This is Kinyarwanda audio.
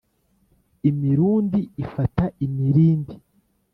Imirundi ifata imirindi